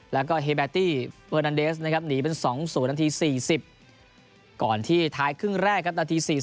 แล้วก็เฮเบตตี้เฟอร์นันเดสหนีเป็น๒๐น๔๐ก่อนที่ท้ายครึ่งแรก๔๔น